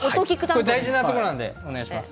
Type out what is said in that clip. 大事なところなのでお願いします。